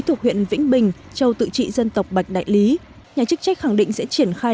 thuộc huyện vĩnh bình châu tự trị dân tộc bạch đại lý nhà chức trách khẳng định sẽ triển khai